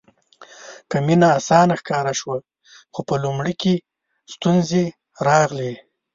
که مینه اسانه ښکاره شوه خو په لومړي کې ستونزې راغلې.